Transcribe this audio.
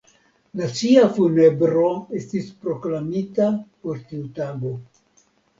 Nacia funebro estis proklamita por tiu tago.